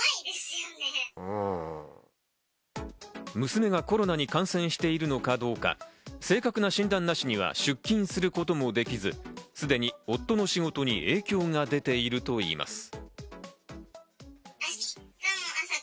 娘がコロナに感染しているのかどうか、正確な診断なしには出勤することもできず、すでに夫の仕事に影響が出ているといいます。